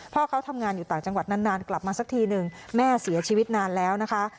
พ่อเขาทำงานอยู่ต่างจังหวัดนานกลับมาสักทีหนึ่งแม่เสียชีวิตนานแล้วนะคะ